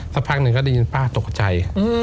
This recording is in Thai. สักพักหนึ่งก็ได้ยินป้าตกใจ